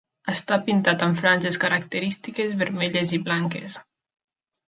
Està pintat amb franges característiques vermelles i blanques.